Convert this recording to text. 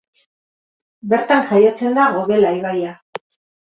Bertan jaiotzen da Gobela ibaia.